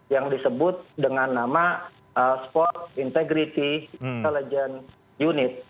yang disebut dengan nama sport integrity intelligence unit